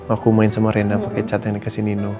aku main sama rena pake cat yang dikasih nino